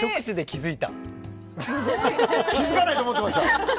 気づかないと思ってました？